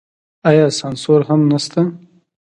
آیا سانسور هم نشته؟